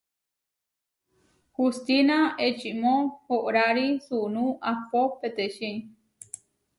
Hustína ečimó oʼórari suunú ahpó petecí.